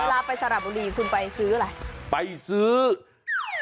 เวลาไปสระบุรีคุณไปซื้ออะไร